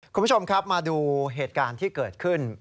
คุณผู้ชมครับมาดูเหตุการณ์ที่เกิดขึ้น